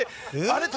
あれ？